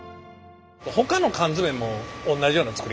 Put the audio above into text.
ほかの缶詰もおんなじような作り方ですか？